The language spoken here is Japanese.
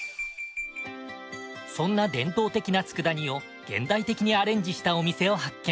そんな伝統的な佃煮を現代的にアレンジしたお店を発見。